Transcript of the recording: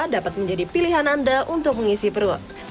dapat menjadi pilihan anda untuk mengisi perut